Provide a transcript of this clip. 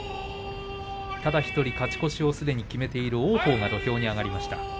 ただ１人、勝ち越しをすでに決めている王鵬が土俵に上がりました。